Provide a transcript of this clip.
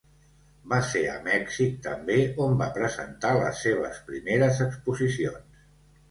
Va ser a Mèxic també on va presentar les seves primeres exposicions.